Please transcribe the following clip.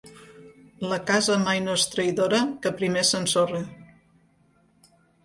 La casa mai no és traïdora, que primer s'ensorra.